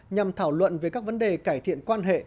nhằm thảo luận về các vấn đề cải thiện quan hệ